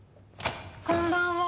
こんばんは！